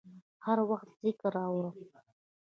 هر وخت یې ذکر اورم